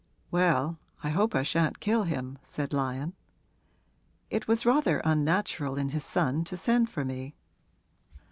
'Well, I hope I shan't kill him,' said Lyon. 'It was rather unnatural in his son to send for me.'